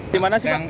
di mana sih pak